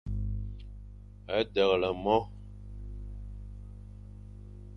Deghle mo.